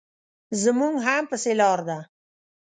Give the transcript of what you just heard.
زموږ هم پسې لار ده.